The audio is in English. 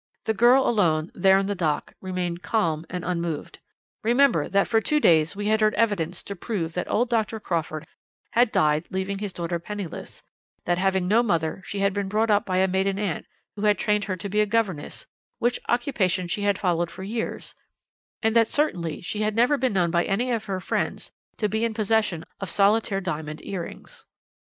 The girl alone, there in the dock, remained calm and unmoved. Remember that for two days we had heard evidence to prove that old Dr. Crawford had died leaving his daughter penniless, that having no mother she had been brought up by a maiden aunt, who had trained her to be a governess, which occupation she had followed for years, and that certainly she had never been known by any of her friends to be in possession of solitaire diamond earrings.